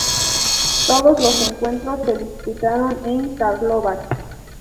Todos los encuentros se disputaron en Karlovac.